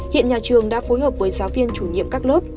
hiện nhà trường đã phối hợp với giáo viên chủ nhiệm các lớp